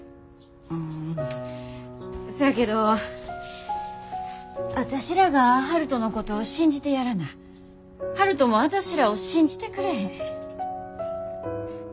うんそやけど私らが悠人のこと信じてやらな悠人も私らを信じてくれへん。